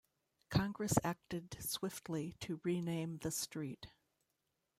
Congress acted swiftly to rename the street.